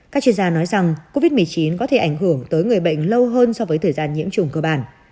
các chuyên gia nói rằng covid một mươi chín có thể ảnh hưởng tới người bệnh lâu hơn so với thời gian nhiễm trùng cơ bản